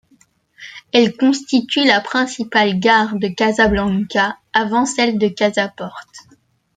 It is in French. Elle constitue la principale gare de Casablanca, avant celle de Casa-Port.